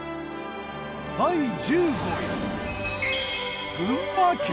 第１５位。